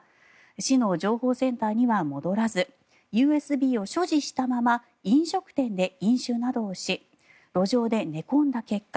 市の情報センターには戻らずＵＳＢを所持したまま飲食店で飲酒などをし路上で寝込んだ結果